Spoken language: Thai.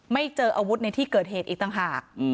ไม่เจออาวุธในที่เกิดเหตุอีกต่างหาก